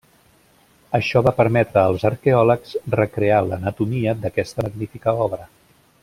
Això va permetre als arqueòlegs recrear l'anatomia d'aquesta magnífica obra.